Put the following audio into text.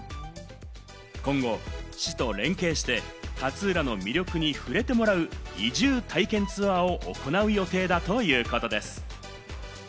今後、市と連携して、勝浦の魅力に触れてもらう移住体験ツアーを行う予定だということです。